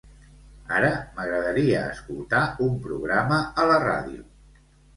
Ara m'agradaria escoltar un programa a la ràdio.